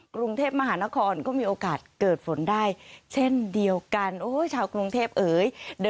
กรุงเทพมหานครก็มีโอกาสเกิดฝนได้เช่นเดียวกันโอ้ยชาวกรุงเทพเอ๋ย